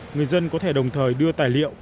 người dân có thể đồng thời đưa tài liệu